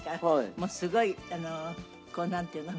もうすごいこうなんていうの？